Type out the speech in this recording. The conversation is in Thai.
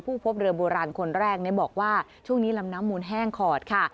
พบเรือโบราณคนแรกบอกว่าช่วงนี้ลำน้ำมูลแห้งขอดค่ะ